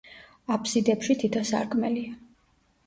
აფსიდებში თითო სარკმელია.